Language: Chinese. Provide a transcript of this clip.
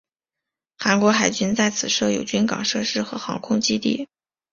韩国海军在此设有军港设施和航空基地。